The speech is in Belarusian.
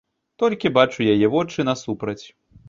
Толькі бачу яе вочы насупраць.